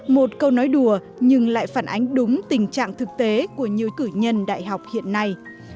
một câu nói đùa nhưng lại phản ánh đúng tình trạng thực tế của những cử nhân đại học hiện nay